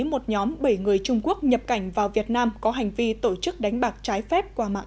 một nhóm bảy người trung quốc nhập cảnh vào việt nam có hành vi tổ chức đánh bạc trái phép qua mạng